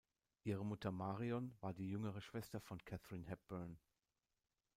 Ihre Mutter Marion war die jüngere Schwester von Katharine Hepburn.